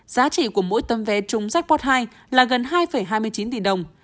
giá trị của mỗi tấm vé trung jackpot hai là gần hai hai mươi chín tỷ đồng